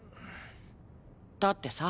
だってさ。